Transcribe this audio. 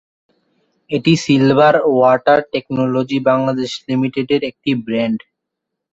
এটি silver water technology Bangladesh লিমিটেডের একটি ব্র্যান্ড।